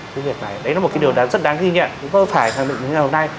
cái việc này đấy là một cái điều rất đáng ghi nhận cũng không phải như hồi nay